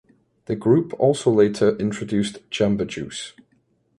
The group also later introduced Jamba Juice.